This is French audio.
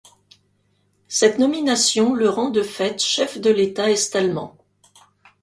Cette nomination le rend de fait chef de l’État est-allemand.